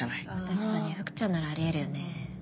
確かに福ちゃんならあり得るよね。